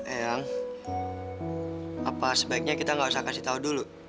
eyang apa sebaiknya kita gak usah kasih tau dulu